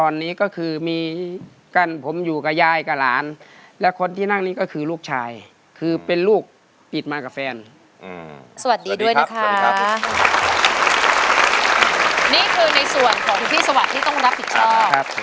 นี่คือในส่วนของพี่สวัสดิ์ที่ต้องรับผิดชอบ